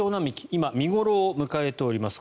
今、見頃を迎えております。